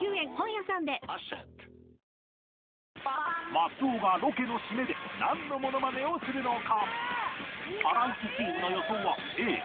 松尾がロケの締めでなんのモノマネをするのか？